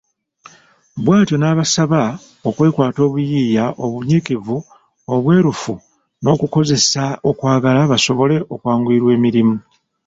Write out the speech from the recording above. Bw'atyo n'abasaba okwekwata obuyiiya, obunyikivu, obwerufu n'okukozesa okwagala, basobole okwanguyirwa emirimu.